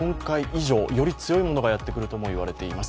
より強いものがやってくるとも言われています。